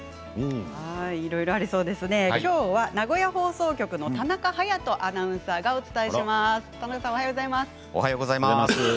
きょうは名古屋放送局の田中逸人アナウンサーがお伝えします。